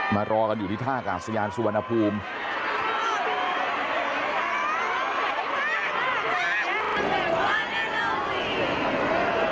มารอกันอยู่ที่ท่ากาศยานสุวรรณภูมิ